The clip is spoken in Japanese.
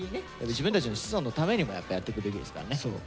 自分たちの子孫のためにもやっぱやっていくべきですからね。